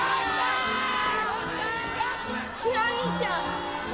ギラ兄ちゃん。